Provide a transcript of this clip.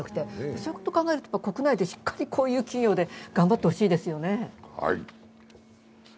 そう考えると国内でしっかりこういう企業で頑張ってほしいですよね。